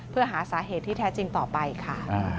เพื่อหาสาเหตุที่แท้จริงต่อไปค่ะ